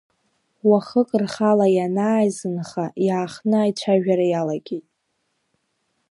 Уахык рхала ианааизынха иаахтны аицәажәара иалагеит.